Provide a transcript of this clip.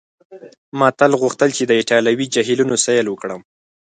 ما تل غوښتل چي د ایټالوي جهیلونو سیل وکړم.